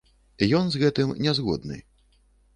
Ён з гэтым не згодны.